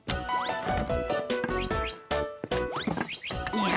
いや